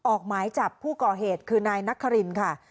ออกหมายจับผู้ก่อเหตุคือนายนครินค่ะ